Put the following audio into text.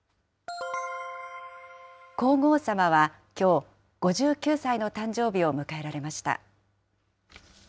皇后さまは、きょう、５９歳の誕生日を迎えられました。